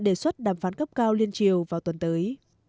đề xuất đàm phán cấp cao liên triều vào tuần tới